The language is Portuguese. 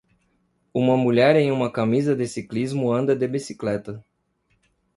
Uma mulher em uma camisa de ciclismo anda de bicicleta